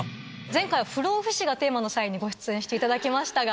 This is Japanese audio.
前回不老不死がテーマの際に、ご出演していただきましたが。